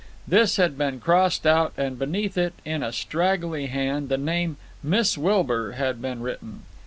This had been crossed out, and beneath it, in a straggly hand, the name Miss Wilbur had been written.